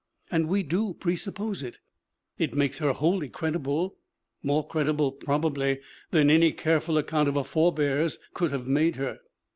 And we do presuppose it! It makes her wholly credible; more credible, probably, than any careful account of her forebears could have made her.